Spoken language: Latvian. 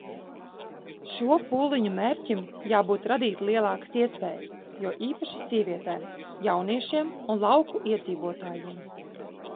Šo pūliņu mērķim jābūt radīt lielākas iespējas, jo īpaši sievietēm, jauniešiem un lauku iedzīvotājiem.